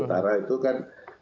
utara itu kan